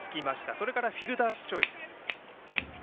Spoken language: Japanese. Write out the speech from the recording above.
それからフィルダースチョイス。